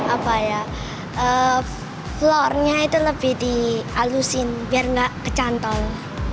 apa ya floornya itu lebih di alusin biar gak kecantong